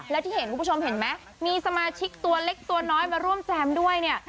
และที่เห็นคุณผู้ชมเห็นไหมมีสมาชิกตัวเล็กตัวน้อยมาร่วมแจมด้วยเนี่ย